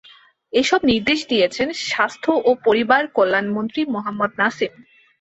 এসব নির্দেশ দিয়েছেন স্বাস্থ্য ও পরিবারকল্যাণমন্ত্রী মোহাম্মদ নাসিম।